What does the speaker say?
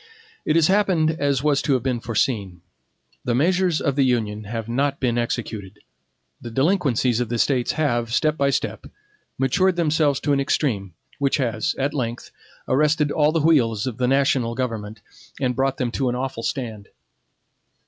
It has happened as was to have been foreseen. The measures of the Union have not been executed; the delinquencies of the States have, step by step, matured themselves to an extreme, which has, at length, arrested all the wheels of the national government, and brought them to an awful stand.